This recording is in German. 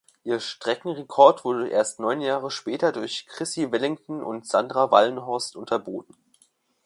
Ihr Streckenrekord wurde erst neun Jahre später durch Chrissie Wellington und Sandra Wallenhorst unterboten.